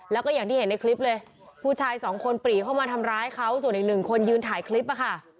แล้วก็อย่างที่เห็นในคลิปเลยผู้ชายสองคนปรีเข้ามาทำร้ายเขาส่วนอีกหนึ่งคนยืนถ่ายคลิปอะค่ะ